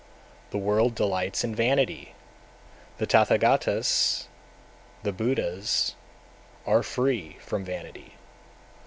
The world delights in vanity, the Tathagatas (the Buddhas) are free from vanity.